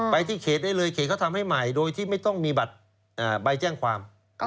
ไปที่เขตได้เลยเขตเขาทำให้ใหม่โดยที่ไม่ต้องมีบัตรใบแจ้งความ